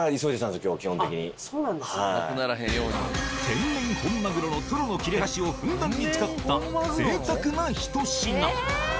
天然本マグロのトロの切れ端をふんだんに使った贅沢なひと品